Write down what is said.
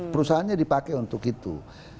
perusahaannya dipakai untuk itu